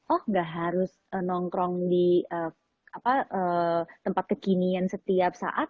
oh nggak harus nongkrong di tempat kekinian setiap saat